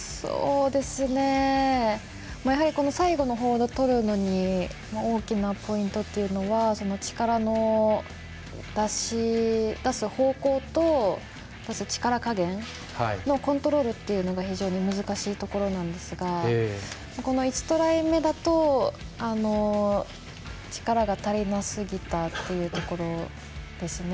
最後のホールドをとるのに大きなポイントというのは力の出す方向と、出す力加減のコントロールというのが非常に難しいところなんですがこの１トライ目だと力が足りなすぎたというところですね。